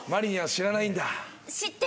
知ってる！